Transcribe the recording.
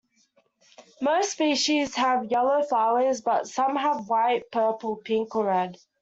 Most species have yellow flowers, but some have white, purple, pink, or red.